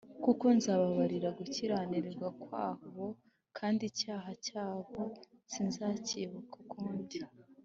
.… Kuko nzababarira gukiranirwa kwabo kandi icyaha cyabo sinzacyibuka ukundi